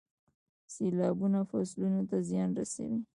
سیلابونه فصلونو ته زیان رسوي.